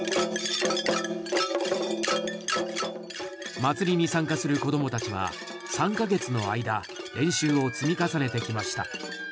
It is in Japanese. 祭りに参加する子どもたちは３か月の間練習を積み重ねてきました。